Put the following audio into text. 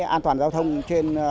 an toàn giao thông trên